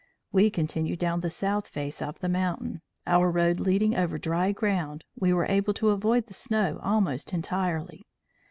"We continued down the south face of the mountain; our road leading over dry ground, we were able to avoid the snow almost entirely.